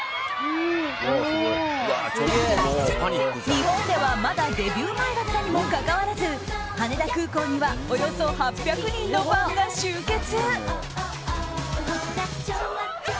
日本では、まだデビュー前だったにもかかわらず羽田空港にはおよそ８００人のファンが集結。